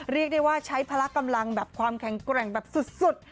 เรียกได้ว่าใช้พละกำลังแบบความแข็งแกร่งแบบสุด